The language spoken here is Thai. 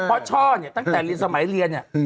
ไม่เพราะชอบเนี่ยตั้งแต่สมัยเรียนเนี่ย